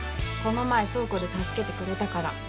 この前倉庫で助けてくれたから。